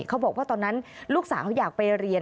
เขาบอกว่าตอนนั้นลูกสาวอยากไปเรียน